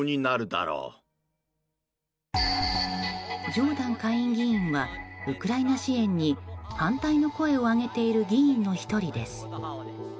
ジョーダン下院議員はウクライナ支援に反対の声を上げている議員の１人です。